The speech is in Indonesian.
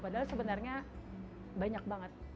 padahal sebenarnya banyak banget